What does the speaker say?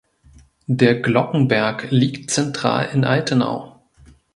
Der Glockenberg liegt zentral in Altenau.